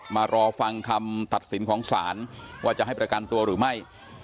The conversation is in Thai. มารอฟังคำตัดสินของศาลว่าจะให้ประกันตัวหรือไม่